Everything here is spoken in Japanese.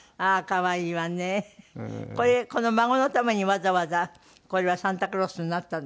これ孫のためにわざわざこれはサンタクロースになったんですか？